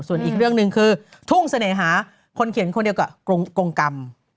ส่วนอีกเรื่องหนึ่งคือทุ่งเสน่หาคนเขียนคนเดียวกับกรงกรรม